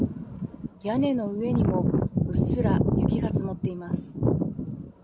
屋根の上にもうっすら雪が積もっています。